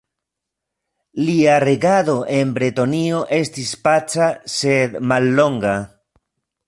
Lia regado en Bretonio estis paca sed mallonga.